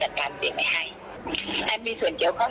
เขายังไม่ได้มอบหมายให้พี่เข้าไปเกี่ยวข้อง